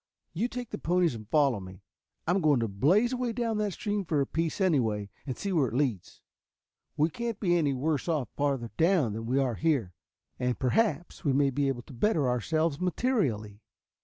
You take the ponies and follow me. I am going to blaze a way down that stream for a piece anyway and see where it leads. We can't be any worse off farther down than we are here, and perhaps we may be able to better ourselves materially."